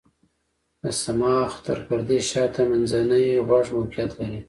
د صماخ تر پردې شاته منځنی غوږ موقعیت لري.